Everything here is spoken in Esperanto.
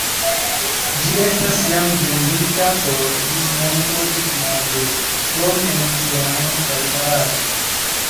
Ĝi estas jam vendita por dismontro tutmonde, krom en Irano kaj Barato.